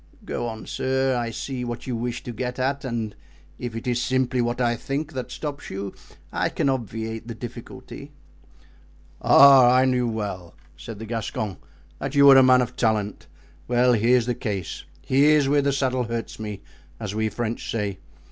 "Go on, sir, I see what you wish to get at; and if it is simply what I think that stops you, I can obviate the difficulty." "Ah, I knew well," said the Gascon, "that you were a man of talent. Well, here's the case, here's where the saddle hurts me, as we French say.